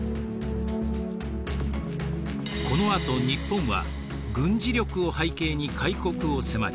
このあと日本は軍事力を背景に開国を迫り